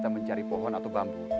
aku sudah berhenti